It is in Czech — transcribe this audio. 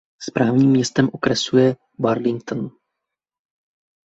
Správním městem okresu je Burlington.